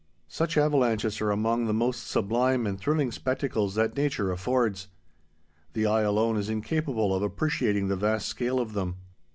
Such avalanches are among the most sublime and thrilling spectacles that nature affords. The eye alone is incapable of appreciating the vast scale of them.